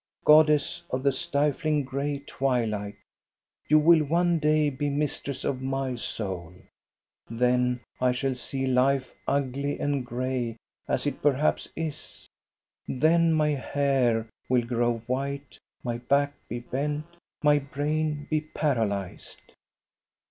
" Goddess of the stifling, gray twi light. You will one day be mistress of my soul. Then I shall see life ugly and gray, as it perhaps is, then my hair will grow white, my back be bent, my brain be paralyzed."